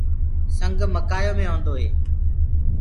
سنگ مڪآيو مي هوندوئي